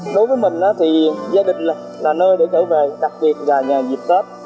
đối với mình thì gia đình là nơi để trở về đặc biệt là nhà dịp tết